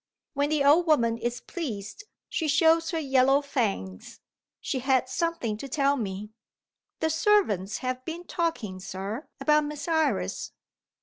When the old woman is pleased, she shows her yellow fangs. She had something to tell me: 'The servants have been talking, sir, about Miss Iris.'